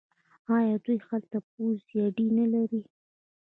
آیا دوی هلته پوځي اډې نلري؟